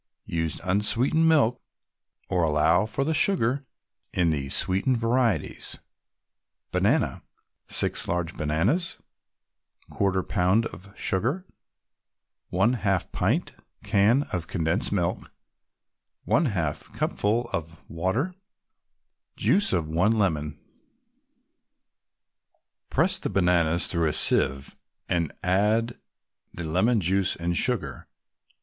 Use unsweetened milk, or allow for the sugar in the sweetened varieties. BANANA 6 large bananas 1/4 pound of sugar 1 half pint can of condensed milk 1/2 cupful of water Juice of one lemon Press the bananas through a sieve, and add the lemon juice and sugar.